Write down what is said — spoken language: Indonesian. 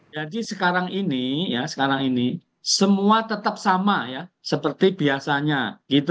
jadi sekarang ini ya sekarang ini semua tetap sama ya seperti biasanya gitu